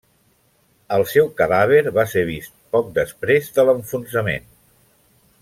El seu cadàver va ser vist poc després de l'enfonsament.